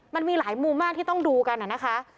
มันมีหลายมุมมากที่ต้องดูกันนะคะ